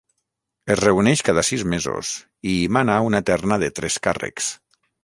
Es reuneix cada sis mesos i hi mana una terna de tres càrrecs.